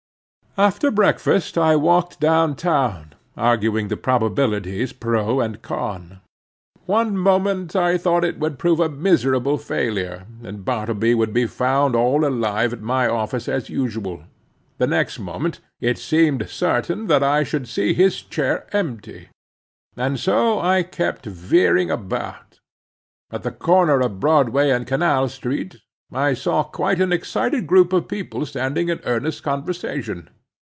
After breakfast, I walked down town, arguing the probabilities pro and con. One moment I thought it would prove a miserable failure, and Bartleby would be found all alive at my office as usual; the next moment it seemed certain that I should see his chair empty. And so I kept veering about. At the corner of Broadway and Canal street, I saw quite an excited group of people standing in earnest conversation.